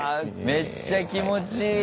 めっちゃ気持ちいい！